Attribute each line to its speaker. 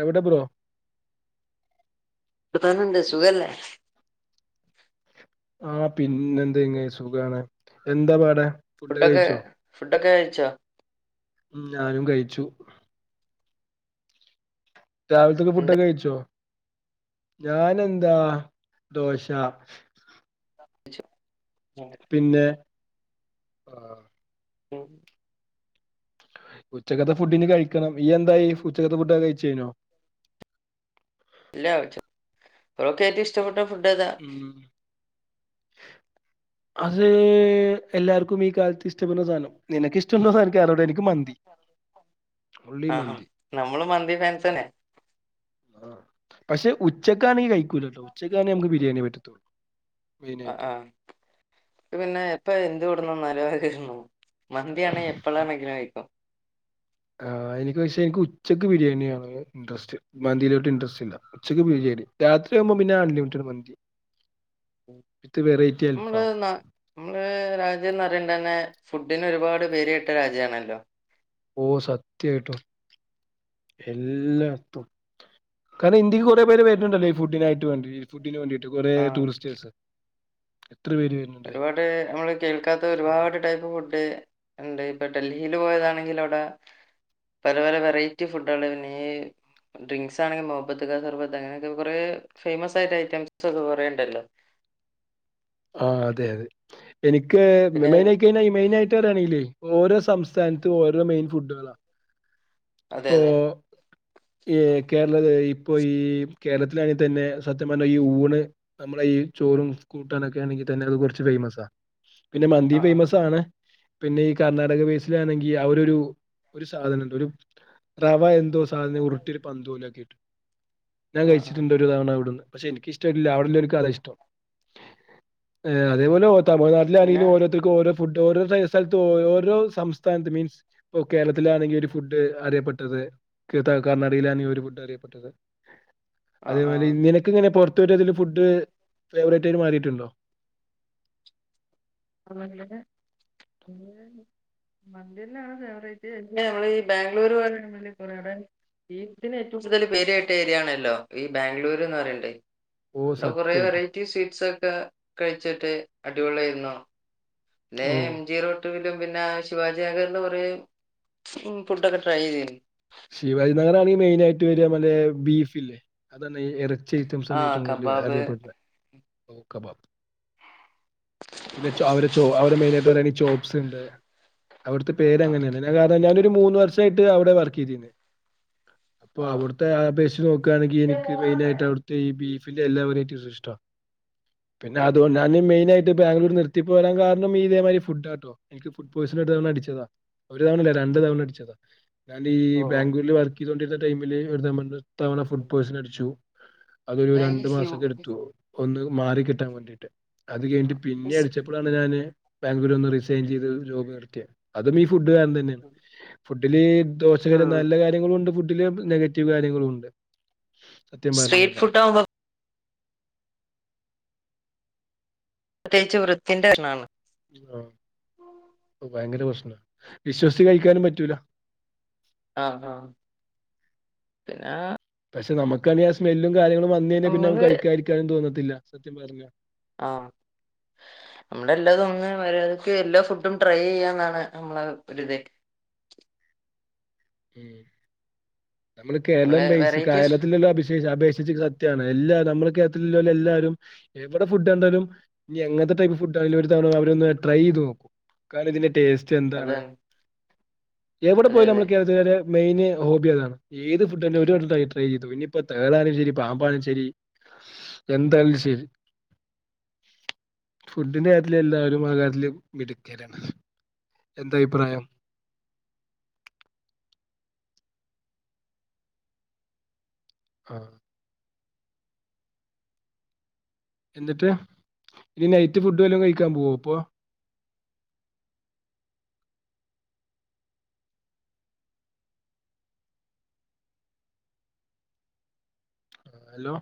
Speaker 1: എവിടെ ബ്രോ?
Speaker 2: ഇവടെ തന്നെണ്ട്. സുഖല്ലേ
Speaker 1: ആ പിന്നെ എന്തങ്ങായ് സുഖാണ്. എന്താ പാട്?
Speaker 2: ഫുഡൊക്കെ ഫുട് ഡൊക്കെ കഴിച്ചോ?
Speaker 1: ഉം ഞാനും കഴിച്ചു. രാവിൽത്തക്കെ
Speaker 2: എന്താ
Speaker 1: ഫുഡൊക്കെ കഴിച്ചോ? ഞാനെന്താ ദോശ
Speaker 2: [unintelligible]
Speaker 1: പിന്നെ ആഹ്
Speaker 2: ഉം
Speaker 1: ഉച്ചക്കത്തെ ഫുഡിന് കഴിക്കണം. ഇയ്യ് എന്തായി? ച്ചക്കത്തെ ഫുഡൊക്കെ കഴിച്ചയ്ഞ്ഞോ?
Speaker 2: ഇല്ല. ഉച്ച [unintelligible] റ്റം ഇഷ്ടപ്പെട്ട ഫുഡ് ഏതാ
Speaker 1: ഉം അത് എല്ലാർക്കും ഈ കാലത്ത് ഇഷ്പ്പെടുന്ന സാധനം നിനക്ക് ഇഷ്ടമുണ്ടോന്ന് എനിക്ക് അറിഞ്ഞൂടാ
Speaker 2: ആഹാ ഹാ
Speaker 1: മന്തി
Speaker 2: നമ്മള് മന്തി ഫാൻസനെ
Speaker 1: പക്ഷെ ഉച്ചക്കാണെ കഴി ഉച്ചക്കാനെ ബി രിയാണേ പറ്റത്തോളു
Speaker 2: ആ ആഹ് പിന്നെ എപ്പൊ എന്ത് കൊടുണ്ടു വന്നാലും ഫിർന്നു മന്തിയാണെ എപ്പോളാണെങ്കിലും കഴിക്കും
Speaker 1: ആ എനിക്ക് പക്ഷേ എനിക്ക് ഉച്ചയ്ക്ക് ബിരിയാണിയ ആണ് ഇൻട്രസ്റ്റ് മന്തിലോട്ട് ഇൻട്രസ്റ്റ് ഇല്ലാ ഉച്ചക്ക് ബിരിയാണി രാത്രി ആവുമ്പോം പിന്നെ അൺലിമിറ്റഡ് മന്തി വിത്ത് വെറൈറ്റി
Speaker 2: നമ്മള്
Speaker 1: അൽഫാം.
Speaker 2: ന നമ്മള് രാജ രാന്ന് പറ തന്നെ ഫുഡിന് ഒരുപാട് പേര് ഇട്ട രാജ്യമാണല്ലോ
Speaker 1: ഓ സത്യായിട്ടോ എല്ലാ എത്തും കാരണം ഇന്ത്യക്ക് കുറെേ പേര് വരുന്നുണ്ടല്ലേ ഈ ഫുഡിനായിട്ട് വേണ്ടി ഫുഡിന് വേണ്ടിട്ട് കുറെ
Speaker 2: ആ
Speaker 1: ടൂറിസ്റ്റ്
Speaker 2: ഒരുപാട് നമ്മള് കേൾക്കാത്ത ഒരുപാട് ടൈപ്പ് ഫുഡ് ഉണ്ട് ഇപ്പൊ ഡൽഹിയിൽ പോയതാണെങ്കിൽ അവിടെ പല പല വെറൈറ്റി ഫുഡുകളാണ് പിന്നെ ഡ്രിങ്ക്സ് ആണെങ്കിൽ മോഹബത്ത് കാ സർബത്ത് അങ്ങനെയൊക്കെ കുറെ ഫേമസ് ആയിട്ട് ഐറ്റംസ് ഒക്കെ കൊറേ ഇണ്ടല്ലോ
Speaker 1: ആഹാ അതെ അതെ എനിക്ക് മ
Speaker 2: പിന്നെ
Speaker 1: മെന ആയി കഴിഞ്ഞാ ഈ മെയിനായിട്ട് പറയാണെങ്കിലേ ഓരോ സംസ്ഥാനത്തും ഓരോ മെയിൻ ഫുഡ്ഡുകളാണ്
Speaker 2: അതെ
Speaker 1: ഇപ്പൊ
Speaker 2: അതെ
Speaker 1: ഏക് കേരള ഇപ്പൊ ഈ കേരളത്തിലാണെങ്കിൽ തന്നെ സത്യ പറഞ്ഞ ഈ ഊണ് നമ്മളെ ഈ ചോറും കൂട്ടാനൊക്കെ ആണെങ്കിൽ തന്നെ അത് കൊറച്ച് ഫേയ്മസാ പിന്നെ മന്തി
Speaker 2: ആ ആ
Speaker 1: ഫേയ്മസ് ആണ് പിന്നെ ഈ കർണാടക ബേസിലാണെങ്കിൽ അവരരു ഒരു സാധനണ്ട് ഒരു റവ എന്തൊസ് [unintelligible] ല് ഉരുട്ടില് പന്തൂ ലാക്കീട്ട് ഞാൻ
Speaker 2: ആ ആ
Speaker 1: കഴിച്ചിട്ടുണ്ട് ഒരു തവണ ഇവിടുന്ന് പക്ഷെ ഇൻക്കിഷ്ടല്ല അവിടെല്ലോ ല്ക്കതാ ഇഷ്ടം ഏ അതേപോലെ
Speaker 2: പിന്നെ
Speaker 1: തമഴ്നാട്ടിലാണേലും ഓരോർത്തർക്കോരോ ഫുഡ് ഓരോ [unintelligible] സ്ഥലത്ത് ഓരോ സംസ്ഥാനത്ത് മീൻസ് ഇപ്പോ കേരളത്തിലാണെങ്കിൽ ഒരു ഫുഡ് ഫുഡ്ഡ് അറിയപ്പെട്ടത് കീർത്ത കർനാടിയിലാണ് ഈ ഒരു ഫുഡ് അറിയപ്പെട്ടത്
Speaker 2: ആ ആ
Speaker 1: അതേപോലെ ഇങ്ങനിക്കങ്ങനെ പൊറ് രതിൽ ഫുഡ് ഫേവറേറ്റ് ആയിട്ട് മാറിയിട്ടുണ്ടോ
Speaker 2: [unintelligible] ഫേവറേറ്റ് [unintelligible] മ്മഈ ബാംഗ്ലൂർ ഈ ഏറ്റവും കൂടുതൽ പേര്ട്ട ഏരിയ ആണല്ലോ ഈ ബാംഗ്ലൂര്ന്ന് പറ്ണ്ടത്
Speaker 1: ഓ
Speaker 2: കൊറെേ
Speaker 1: സത്യായിട്ടും.
Speaker 2: വെറൈറ്റി സ്വീറ്റ്സ് ഒക്കെ കഴിച്ചിട്ട് അടിപൊളിയാന്നോ ല്ലെ
Speaker 1: ഓ
Speaker 2: എം ജിറോട്ടുവിലും പിന്നെ ശിവാജി ഏ [unintelligible] പറയും ഫുഡ്ഡോക്കെ ട്രൈ ചെയ്യും
Speaker 1: ശിവാജി തങ്ങളെ അറി മെയിനായിട്ട് വര മ്മലെ ബീഫ്‌ല്ലേ അത് ന്നെ ഇ ഇറച്ചി ഐറ്റം സാ
Speaker 2: ആ
Speaker 1: ണേറ്റവും കൂടുതൽ
Speaker 2: കബാബ്
Speaker 1: അറിയപ്പെട്ണെ ഊക്കബബ പിന്നെച്ചോ അവച്ചോ അവ മെയിനായിട്ട് പറയാണെങ്കി ചോബ്സ് ഉണ്ട് അവിടുത്തെ
Speaker 2: ആ ആ
Speaker 1: പേര്ങ്ങനെയാണ്ഞ [unintelligible] ഒരു മൂന്ന് വർഷായിട്ട് അവിടെ വർക്ക് കിരി നെ അപ്പൊ
Speaker 2: ആ
Speaker 1: അവിട്ത്തെ അപേക്ഷച്ച് നോക്കാണെങ്കി എനിക്ക് മെയിനാ യിട്ട് അവിടുത്തെ ഈ ബി പിന്നെഎല്ലാവരേറ്റു സിഷ്ടാണ് പിന്നെ [unintelligible]
Speaker 2: ഉം
Speaker 1: അതൊ മെയിനായിട്ട് ബാംഗ്ലൂർ നിർത്തി പോരാൻ കാരണം ഇതേമാതിരി ഫുഡാട്ടോ എനിക്ക് ഫുഡ് പോയിസൺ എടുത്ത തവണ അടിച്ചതാ ഒരു തവണ ല്ല രണ്ട് തവണ അടിച്ചതാ ഞാനീ
Speaker 2: ഓ
Speaker 1: ബാംഗ്ലൂരിൽ വർക്ക് ഇതൊണ്ടിട്ട ടൈമില്ല് [unintelligible] ത്തവണ
Speaker 2: ഉം
Speaker 1: ഫുഡ് പോയ്സൺ അടിച്ചു അതൊരു രണ്ടു
Speaker 2: നൈസ് യു.
Speaker 1: മാസക്കെ എടുത്തു ഒന്ന് മാറി കിട്ടാൻ വേണ്ടിട്ട് അത് കഴിട്ട് പിന്നെ അടിച്ചപ്പോഴാണ് ഞാന് ബാംഗ്ലൂരു ഒന്ന് റിസൈൻ ചെയ്ത് ജോബ് നിർത്തിയ അതും ഈ ഫു ഫുഡ് കാരണം തന്നെ ഫുഡില് ദോഷകര
Speaker 2: ഉം
Speaker 1: നല്ല കാര്യങ്ങളും ഉണ്ട് ഫു വീട്ട്ല് നെഗറ്റീവ് കാര്യങ്ങളും ഉണ്ട് സത്യം പറഞ്ഞു
Speaker 2: സ്ട്രീറ്റ്
Speaker 1: കഴിഞ്ഞാൽ
Speaker 2: ഫുഡ് ആവുമ്പോ പ്രത്യേച്ച് വൃത്തിന്റെ ണ്ണാണ്
Speaker 1: ആ ഭയങ്കര പ്രശ്നാണ് വിശ്വസിച്ച് കഴിക്കാനും പറ്റൂ.
Speaker 2: ആ ആ പിന്നെ
Speaker 1: പക്ഷെ നമുക്കാണെങ്കി ആ സ്മെല്ലും കാര്യങ്ങളും വന്നായ്ഞ്ഞാ പിന്നെക്ക
Speaker 2: നമ്മള്
Speaker 1: കഴിക്കാരിക്കാനും തോന്നത്തില്ല സത്യം പറഞ്ഞ
Speaker 2: ആ നമ്മുടെ എല്ലാ തോന്ന മര്യാദക്ക് എല്ലാ ഫുഡും ട്രൈ ചെയ്യാന്നാണ് നമ്മള ഒരു ഇത്
Speaker 1: ഉം നമ്മള് കേരളം
Speaker 2: നമ്മളെ
Speaker 1: ബേസ്
Speaker 2: വെറൈറ്റീസ്
Speaker 1: കേരളത്തിലല്ലാം അബി അപേഷി സത്യാണ് എല്ലാരും നമ്മുടെ കേരളത്തില എല്ലാരും എവിടെ ഫുഡ് കണ്ടാലും ഇനി എങ്ങനത്തെ ടൈപ്പ് ഫുഡ്ടായാലും ഒരു തവണ വാ ഒന്ന് ട്രൈ യ്ത് നോക്കും കാല് തിന്റേ ടേസ് റ്റ് എന്താണ്
Speaker 2: അതാണ്
Speaker 1: എവിടെ
Speaker 2: അതെ
Speaker 1: പോയാലും
Speaker 2: അതെ
Speaker 1: നമ്മള് മെയിന് ഹോബി അതാണ് ഏത് ഫുഡ്ഡന്നെ ഒരു വട്ടം ട്രൈ ചെയ്തു ഇനിപ്പോ തേളാണെങ്കിലും ശരി പാമ്പാനും ശരി എന്തായാലും ശരി ഫുഡിന്റെ കാര്യത്തിൽ എല്ലരും ആ കാര്യത്തില് മിടുക്കരാണ് എന്താ അഭിപ്രായം ആ എന്നിട്ട് ഇനി നൈറ്റ് ഫുഡ് വല്ലും കഴിക്കാ പോവോ പ്പൊ അലോ